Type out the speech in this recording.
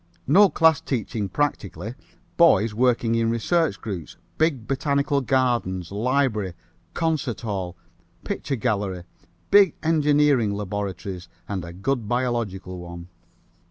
No class teaching practically, boys working in research groups, big botanical gardens, library, concert hall, picture gallery, big engineering laboratories and a good biological one.